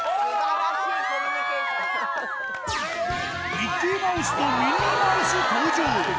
ミッキーマウスとミニーマウス登場！